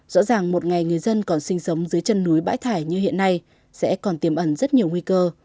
rõ ràng một ngày người dân còn sinh sống dưới chân núi bãi thải như hiện nay sẽ còn tiềm ẩn rất nhiều nguy cơ